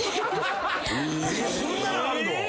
そんなのがあるの？